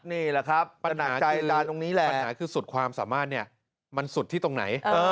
นี่แหละครับปัญหาคือสุดความสามารถมันสุดที่ตรงไหน